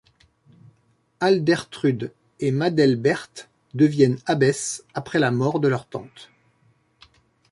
Aldertrude et Madelberte deviennent abbesses après la mort de leur tante.